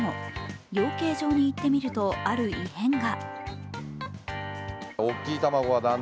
養鶏場に行ってみるとある異変が。